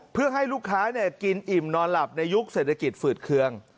เพื่อให้ลูกค้ากินอิ่มนอนหลับในยุคเศรษฐกิจฝืดเคือง